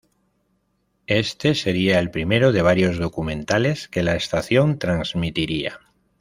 Este seria el primero de varios documentales que la estación transmitiría.